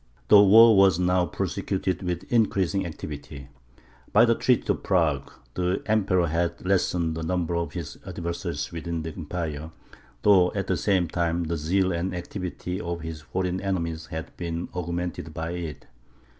The war was now prosecuted with increasing activity. By the treaty of Prague, the Emperor had lessened the number of his adversaries within the Empire; though, at the same time, the zeal and activity of his foreign enemies had been augmented by it.